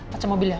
pecah mobil ya